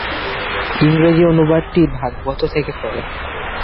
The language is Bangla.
ইংরেজি অনুবাদটি ভাগবত থেকে পড়া।